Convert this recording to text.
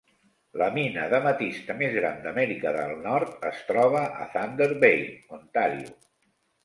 La mina d'ametista més gran d'Amèrica de Nord es troba a Thunder Bay, Ontario.